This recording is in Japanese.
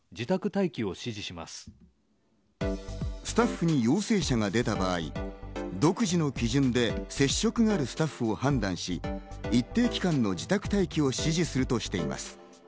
スタッフに陽性者が出た場合、独自の基準で接触があるスタッフを判断し、一定期間の自宅待機を指示するとしています。